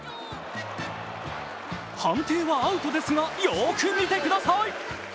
判定はアウトですが、よーく見てください。